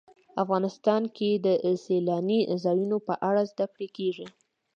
افغانستان کې د سیلانی ځایونه په اړه زده کړه کېږي.